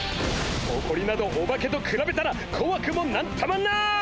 ほこりなどオバケとくらべたらこわくも何ともない！